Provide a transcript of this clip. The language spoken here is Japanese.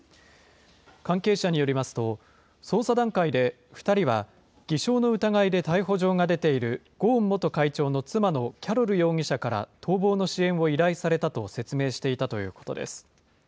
関係者によりますと、捜査段階で２人は、偽証の疑いで逮捕状が出ている、ゴーン元会長の妻のキャロル容疑者から、逃亡の支援を依頼されたと説明していたということです。